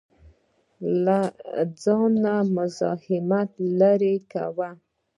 له ځانه مزاحمت لرې کاوه.